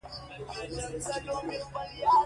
په مړوند کې به مې د څو مهینو اوازونو تلاوت،